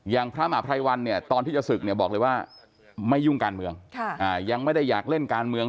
พระมหาภัยวันเนี่ยตอนที่จะศึกเนี่ยบอกเลยว่าไม่ยุ่งการเมืองยังไม่ได้อยากเล่นการเมือง